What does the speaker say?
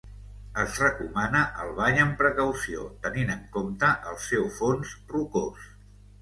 Es recomana el bany amb precaució, tenint en compte el seu fons rocós.